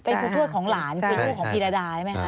เป็นครูทวดของหลานคือลูกของพีรดาใช่ไหมคะ